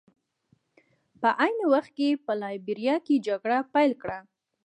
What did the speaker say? په عین وخت کې یې په لایبیریا کې جګړه پیل کړه.